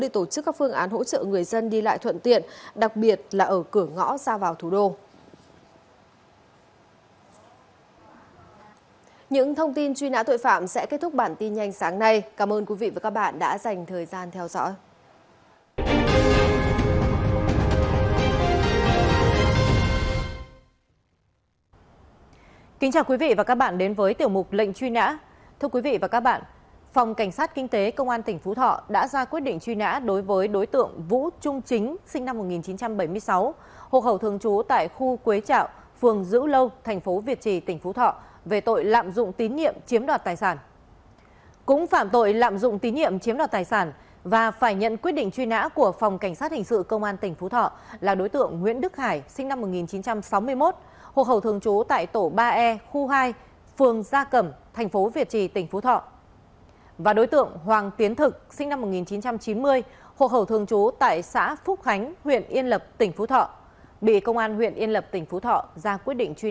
thông tin truy nã tội phạm sẽ kết thúc bản tin nhanh sáng nay cảm ơn quý vị và các bạn đã dành thời gian theo dõi